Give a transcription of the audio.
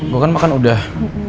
gue kan makan udah